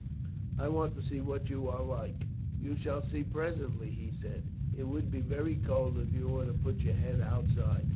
"I want to see what you are like." "You shall see presently," he said. "It would be very cold if you were to put your head outside.